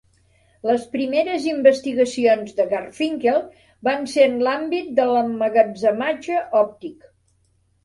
Les primeres investigacions de Garfinkel van ser en l'àmbit de l'emmagatzematge òptic.